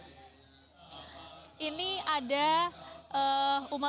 ini ada umat umat yang juga ikut bermeditasi untuk melakukan penyelamatan